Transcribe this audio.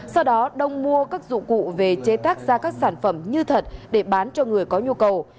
sau đó đông mua các dụng cụ về chế tác ra các sản phẩm như thật để bán cho người có nhu cầu